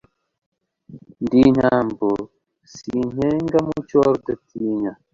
ndi nyambo sinkenga, mucyo wa rudatinya